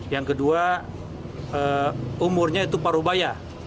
yang kedua umurnya itu parubaya